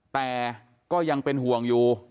แต่ก็ยังเป็นห่วงอยู่